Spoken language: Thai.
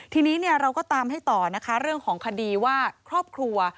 ทีนี้เราก็ตามให้ต่อนะคะเรื่องของคดีว่าครอบครัว